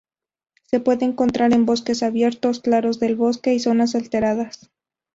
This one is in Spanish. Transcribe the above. Se puede encontrar en bosques abiertos, claros del bosque y zonas alteradas.